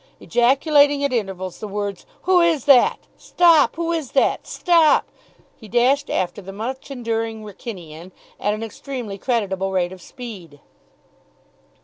Ejaculating at intervals the words, "Who is that? Stop! Who is that? Stop!" he dashed after the much enduring Wrykynian at an extremely creditable rate of speed.